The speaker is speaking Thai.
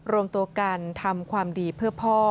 รวมตัวกันทำความดีเพื่อพ่อ